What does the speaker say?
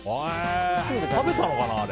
食べたのかな、あれ。